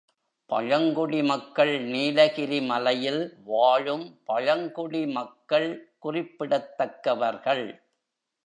பழங்குடி மக்கள் நீலகிரி மலையில் வாழும் பழங்குடி மக்கள் குறிப்பிடத்தக்கவர்கள்.